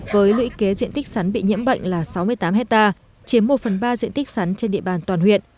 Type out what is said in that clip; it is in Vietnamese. với lũy kế diện tích sắn bị nhiễm bệnh là sáu mươi tám hectare chiếm một phần ba diện tích sắn trên địa bàn toàn huyện